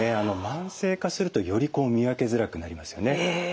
慢性化するとより見分けづらくなりますよね。